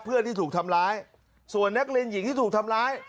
เพื่อนที่ถูกทำร้ายส่วนนักเรียนหญิงที่ถูกทำร้าย